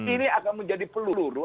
ini akan menjadi peluru